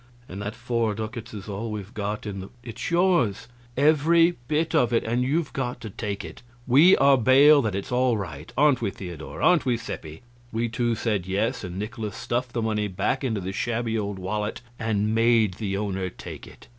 And that four ducats is all we've got in the " "It's yours, every bit of it, and you've got to take it we are bail that it's all right. Aren't we, Theodor? Aren't we, Seppi?" We two said yes, and Nikolaus stuffed the money back into the shabby old wallet and made the owner take it.